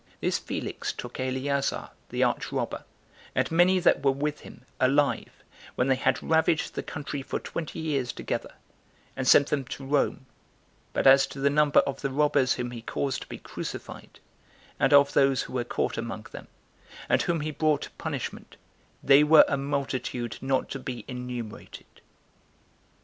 This Felix took Eleazar the arch robber, and many that were with him, alive, when they had ravaged the country for twenty years together, and sent them to Rome; but as to the number of the robbers whom he caused to be crucified, and of those who were caught among them, and whom he brought to punishment, they were a multitude not to be enumerated.